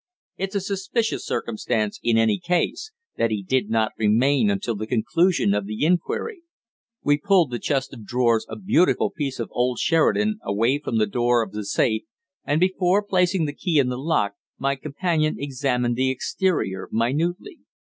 "It's a suspicious circumstance, in any case, that he did not remain until the conclusion of the inquiry." We pulled the chest of drawers, a beautiful piece of old Sheraton, away from the door of the safe, and before placing the key in the lock my companion examined the exterior minutely.